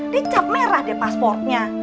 dia cap merah deh pasportnya